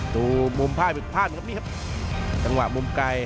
ดูมุมภาพเป็นผ้านครับนี่ครับจังหวะมุมไกล